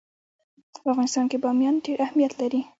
په افغانستان کې بامیان ډېر اهمیت لري.